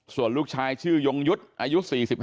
ส่วนลูกชายชื่อยงยุทธ์อายุ๔๕